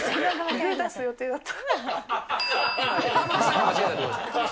グーを出す予定だった。